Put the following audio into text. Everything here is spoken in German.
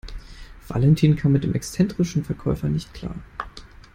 Valentin kam mit dem exzentrischen Verkäufer nicht klar.